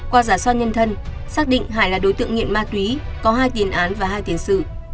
qua giả soát nhân thân xác định hải là đối tượng nghiện ma túy có hai tiền án và hai tiền sự